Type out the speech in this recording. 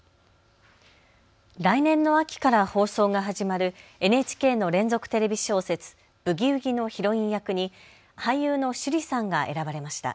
来年の秋から放送が始まるＮＨＫの連続テレビ小説、ブギウギのヒロイン役に俳優の趣里さんが選ばれました。